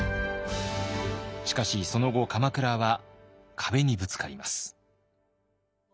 しかしその後鎌倉は壁にぶつかります。